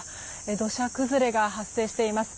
土砂崩れが発生しています。